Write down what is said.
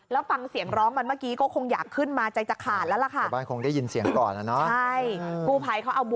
แล้วฟังเสียงร้องมันเมื่อกี้ก็คงอยากขึ้นมาใจจะขาดแล้วล่ะค่ะ